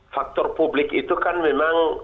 faktor publik itu kan memang